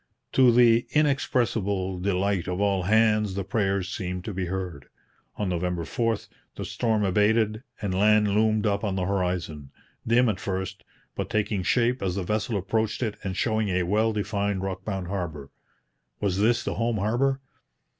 To the inexpressible delight of all hands the prayers seemed to be heard. On November 4 the storm abated, and land loomed up on the horizon, dim at first, but taking shape as the vessel approached it and showing a well defined, rock bound harbour. Was this the home harbour?